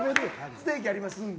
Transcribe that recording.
「ステーキありますん？」。